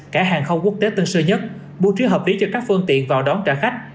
cả hàng không quốc tế tân sơ nhất bu trí hợp lý cho các phương tiện vào đón trả khách